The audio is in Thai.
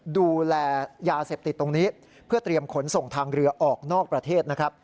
ดูแลยาเสพติดตรงนี้เพื่อเตรียมขนส่งทางเรือออกนอกประเทศนะครับ